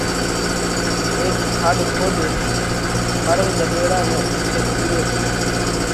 هيڪ کاڏ کوۮينَ مرل ڳۮيڙا نئہ اُوٿئہ ٻُوريو پرو۔